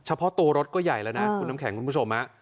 เพราะตัวรถก็ใหญ่แล้วนะคุณน้ำแข็งคุณผู้ชม